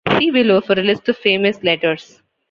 See below for a list of famous letters.